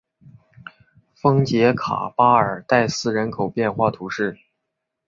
丰捷卡巴尔代斯人口变化图示